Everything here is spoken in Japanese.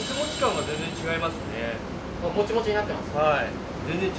はい。